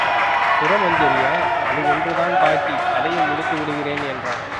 சுரமஞ்சரியா! அது ஒன்று தான் பாக்கி, அதையும் முடித்து விடுகிறேன் என்றான்.